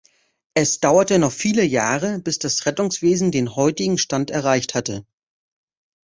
Es dauerte noch viele Jahre, bis das Rettungswesen den heutigen Stand erreicht hatte.